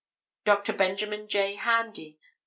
Dr. Benjamin J. Handy.